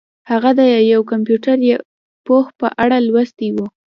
هغه د یو کمپیوټر پوه په اړه لوستي وو